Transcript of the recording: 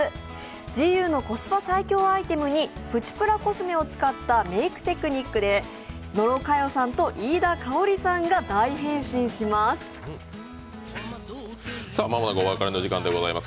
ＧＵのコスパ最強アイテムにプチプラコスメを使ったメークテクニックで野呂佳代さんと飯田圭織さんが大変身します。